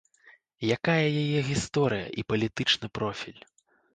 Якая яе гісторыя і палітычны профіль?